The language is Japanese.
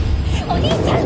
お兄ちゃん！